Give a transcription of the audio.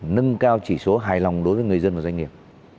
nâng cao chỉ số hài lòng đối với người dân và doanh nghiệp